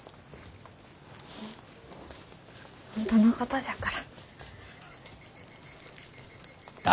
本当のことじゃから。